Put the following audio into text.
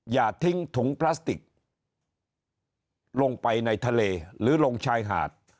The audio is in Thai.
อย่าทิ้งถุงพลาสติกลงไปในทะเลหรือลงชายหาด